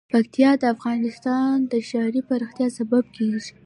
پکتیکا د افغانستان د ښاري پراختیا سبب کېږي.